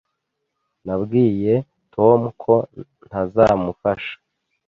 Nabwiye Tom ko ntazamufasha.